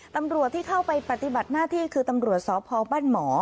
ตำรวจที่เข้าไปปฏิบัติหน้าที่คือตำรวจสพบ้านหมอ